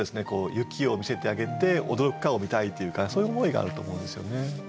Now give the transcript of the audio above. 雪を見せてあげて驚くかを見たいというかそういう思いがあると思うんですよね。